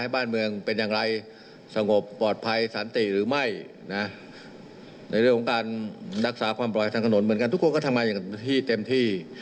ในเรื่องของการดักษาความปล่อยทางกระหนดเหมือนกันทุกคนก็ทำมาอย่างที่เต็มที่